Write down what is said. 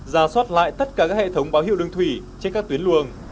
ra soát lại tất cả các hệ thống báo hiệu đường thủy trên các tuyến luồng